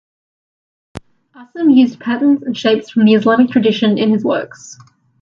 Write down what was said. Asem used patterns and shapes from the Islamic tradition in his works.